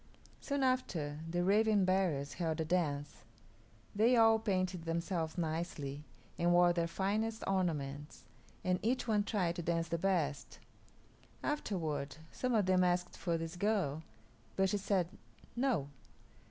Soon after, the Raven Bearers held a dance. They all painted themselves nicely and wore their finest ornaments and each one tried to dance the best. Afterward some of them asked for this girl, but she said, "No."